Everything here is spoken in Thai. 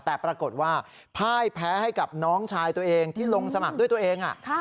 แต่ปรากฏว่าพ่ายแพ้ให้กับน้องชายตัวเองที่ลงสมัครด้วยตัวเอง